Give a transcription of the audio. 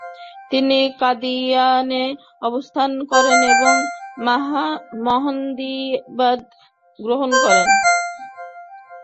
তিনি কাদিয়ানে অবস্থান করেন এবং আহমদিবাদ গ্রহণ করেন ।